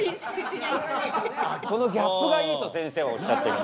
このギャップがいいとせんせいはおっしゃってる。